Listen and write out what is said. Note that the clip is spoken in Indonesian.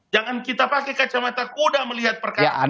jangan kita pakai kacamata kuda melihat perkataan